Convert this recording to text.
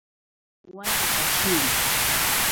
Nowairo kashiri.